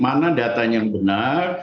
ada tanda tanda yang benar